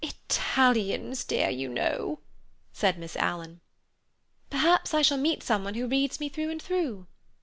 "Italians, dear, you know," said Miss Alan. "Perhaps I shall meet someone who reads me through and through!"